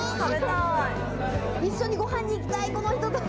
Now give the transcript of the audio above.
一緒にご飯に行きたい、この人と。